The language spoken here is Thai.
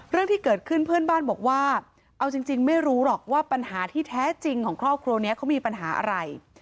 เรื่องที่เกิดขึ้นเพื่อนบ้านบอกว่าเอาจริงไม่รู้หรอกว่าปัญหาที่แท้จริงของครอบครัวนี้เขามีปัญหาอะไร